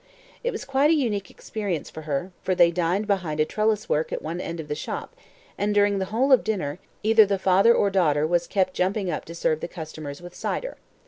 It was quite a unique experience for her, for they dined behind a trellis work at one end of the shop, and, during the whole of dinner, either the father or daughter was kept jumping up to serve the customers with cider.